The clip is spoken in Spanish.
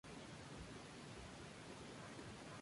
Otra, a Šamlim-ahum, otro asirio que residía allí.